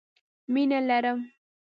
مينه لرم